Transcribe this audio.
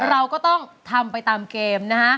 เราก็ต้องทำไปตามเกมนะฮะ